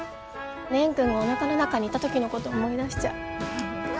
蓮くんがおなかの中にいた時のこと思い出しちゃう。